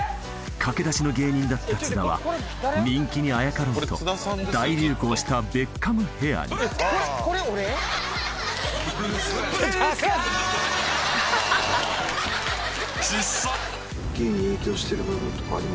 駆け出しの芸人だった津田は人気にあやかろうと大流行したベッカムヘアにブルースカイ！